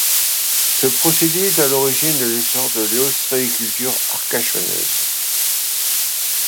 Ce procédé est à l'origine de l'essor de l'ostréiculture arcachonnaise.